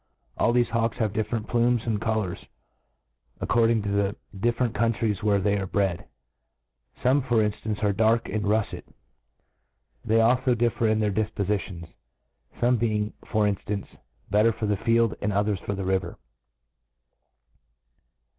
MODERN FAULCONRY, 137 All thefe hawks have diffierent plumes and co * lours, according to the diflFcrent countries where they are bred ; fome, for ihftance^ are dark and ruflet. They alfo differ in thier difpofitions j fomc being, for inflance, better for the field, and others for the rivtr.